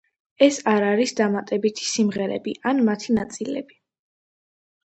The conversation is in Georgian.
ეს არ არის დამატებითი სიმღერები ან მათი ნაწილები.